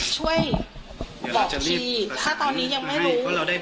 ช่วยบอกทีถ้าตอนนี้ยังไม่รู้